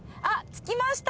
着きました。